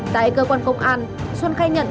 tại cơ quan công an xuân khai nhận